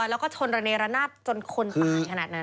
แล้วก็ชนระเนรนาศจนคนตายขนาดนั้น